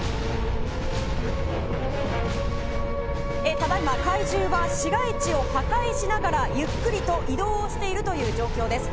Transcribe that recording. ただ今、怪獣は市街地を破壊しながらゆっくりと移動をしているという状況です。